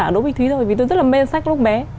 đỗ bích thúy thôi vì tôi rất là mê sách lúc bé